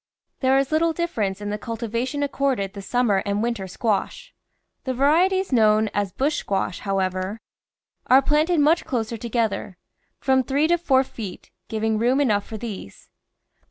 There is little difference in the culti vation accorded the summer and winter squash. The varieties known as bush squash, however, are THE VEGETABLE GARDEN planted much closer together — from three to four feet, giving room enough for these.